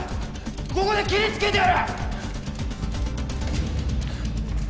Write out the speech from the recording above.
ここでケリつけてやる！